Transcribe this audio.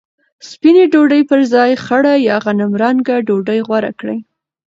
سپینه ډوډۍ پر ځای خړه یا غنمرنګه ډوډۍ غوره کړئ.